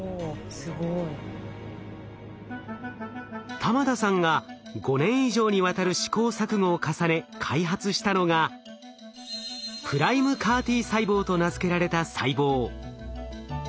玉田さんが５年以上にわたる試行錯誤を重ね開発したのがＰＲＩＭＥＣＡＲ−Ｔ細胞と名付けられた細胞。